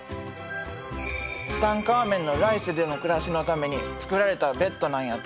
ツタンカーメンの来世での暮らしのために作られたベッドなんやて。